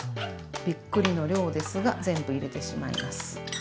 びっくりの量ですが全部入れてしまいます。